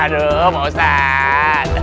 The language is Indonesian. aduh pak ustadz